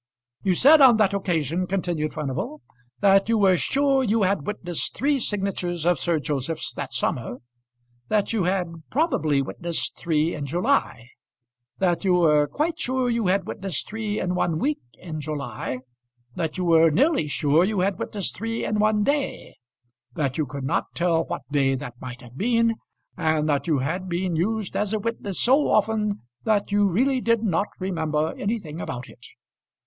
"You said on that occasion," continued Furnival, "that you were sure you had witnessed three signatures of Sir Joseph's that summer, that you had probably witnessed three in July, that you were quite sure you had witnessed three in one week in July, that you were nearly sure you had witnessed three in one day, that you could not tell what day that might have been, and that you had been used as a witness so often that you really did not remember anything about it.